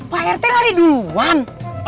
pak rt lari duluan